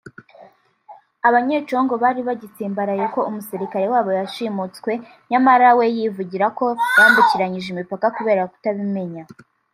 Abanyecongo bari bagitsimbaraye ko umusirikare wabo yashimutswe nyamara we yivugira ko yambukiranyije imipaka kubera kutabimenya